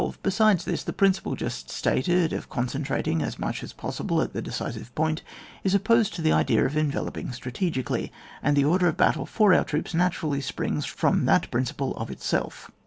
Besides this, the principle just stated, of concentrating as much as possible at the decisive point, is opposed to the idea of enveloping strategically, and the order of battle for our troops naturally springs from that principle of itself.